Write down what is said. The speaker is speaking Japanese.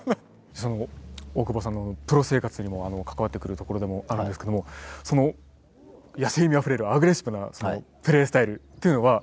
大久保さんのプロ生活にも関わってくるところでもあるんですけどもその野性味あふれるアグレッシブなプレースタイルというのは？